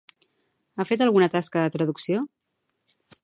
Ha fet alguna tasca de traducció?